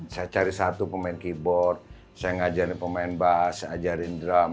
saya cari satu pemain keyboard saya ngajarin pemain bas ajarin drum